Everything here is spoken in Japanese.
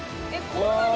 こんなに？